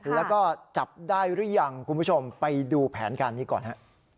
แล้วก็จับได้หรือยังคุณผู้ชมไปดูแผนการนี้ก่อนฮะ